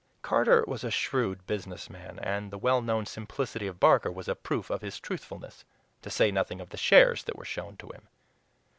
Carter was a shrewd business man, and the well known simplicity of Barker was a proof of his truthfulness, to say nothing of the shares that were shown to him.